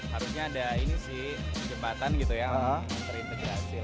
harusnya ada ini sih jembatan gitu ya yang mengerjakan